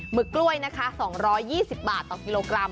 หมึกกล้วย๒๒๐บาทต่อกิโลกรัม